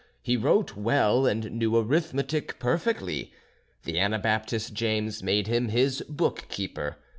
He wrote well, and knew arithmetic perfectly. The Anabaptist James made him his bookkeeper.